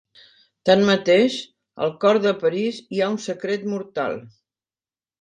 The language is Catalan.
Tanmateix, al cor de París hi ha un secret mortal.